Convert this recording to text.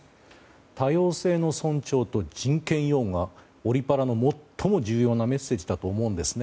多様性の尊重と人権擁護はオリパラの最も重要なメッセージだと思うんですね。